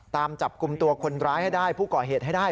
ตามจับกลุ่มตัวคนร้ายให้ได้ผู้ก่อเหตุให้ได้